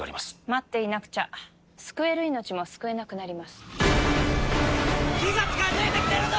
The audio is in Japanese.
待っていなくちゃ救える命も救えなくなります・火が近づいてきてるぞ！